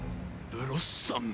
ブロッサム。